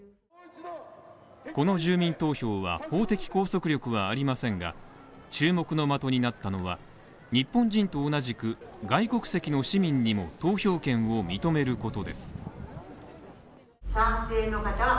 この住民投票は、法的拘束力はありませんが、注目のまとになったのは日本人と同じく、外国籍の市民にも投票権を認めることです。